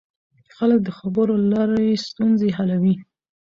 خلک د خبرو له لارې ستونزې حلوي